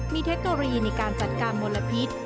มีเทคโนโลยีในการจัดการมลพิษ